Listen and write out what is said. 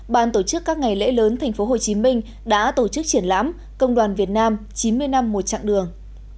ban tổ chức các ngày lễ lớn tp hcm đã tổ chức triển lãm công đoàn việt nam chín mươi năm một chặng đường